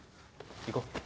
行こう。